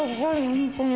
本当に。